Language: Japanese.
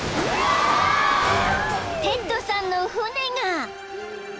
［テッドさんの船が］